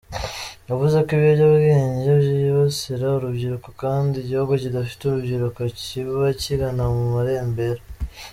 Yavuze ko ibiyobyabwenge byibasira urubyiruko kandi igihugu kidafite urubyiruko kiba kigana mu marembera.